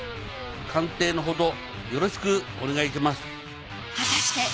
鑑定のほどよろしくお願いします。